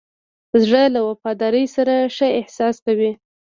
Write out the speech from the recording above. زړه له وفادارۍ سره ښه احساس کوي.